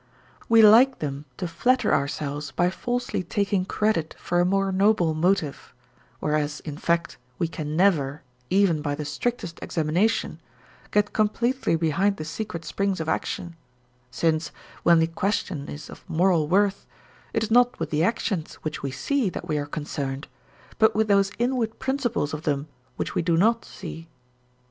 We like them to flatter ourselves by falsely taking credit for a more noble motive; whereas in fact we can never, even by the strictest examination, get completely behind the secret springs of action; since, when the question is of moral worth, it is not with the actions which we see that we are concerned, but with those inward principles of them which we do not see.